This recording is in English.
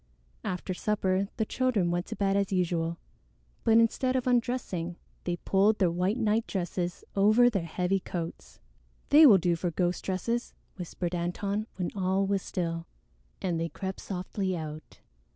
After supper the children went to bed as usual, but instead of undressing, they pulled their white nightdresses over their heavy coats. "They will do for ghost dresses," whispered Antone when all was still, and they crept softly out.